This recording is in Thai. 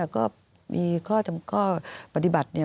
ก็มีข้อปฏิบัติ